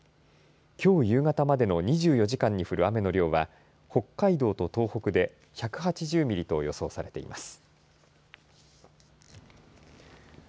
きょう夕方までの２４時間に降る雨の量は北海道と東北で１８０ミリと予想されています。